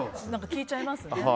聞いちゃいますね。